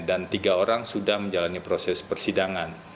dan tiga orang sudah menjalani proses persidangan